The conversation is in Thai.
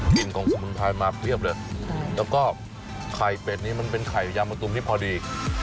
กลิ่นของสมุนไพรมาเบี้ยบเลยแล้วก็ไข่เป็ดนี้มันเป็นไข่ยำตุ๊มที่พอดี